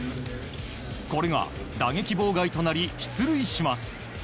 これが打撃妨害となり出塁します。